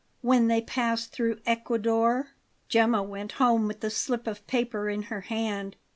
When they passed through Ecuador Gemma went home with the slip of paper in her hand.